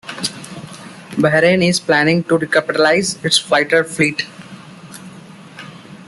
Bahrain is planning to recapitalize its fighter fleet.